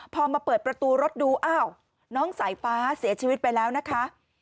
พอมาเปิดประตูรถดูอ้าวน้องสายฟ้าเสียชีวิตไปแล้วนะคะ